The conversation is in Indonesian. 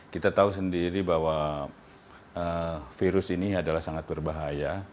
kita tahu sendiri bahwa virus ini adalah sangat berbahaya